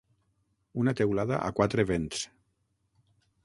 Una teulada a quatre vents.